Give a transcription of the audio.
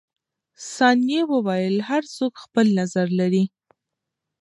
ثانیه وویل، هر څوک خپل نظر لري.